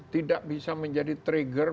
tidak bisa menjadi trigger